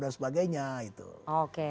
dan sebagainya oke